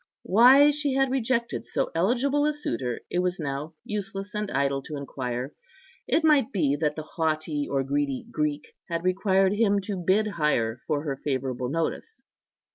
Why she had rejected so eligible a suitor it was now useless and idle to inquire; it might be that the haughty or greedy Greek had required him to bid higher for her favourable notice.